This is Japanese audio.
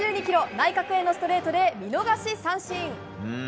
内角へのストレートで見逃し三振。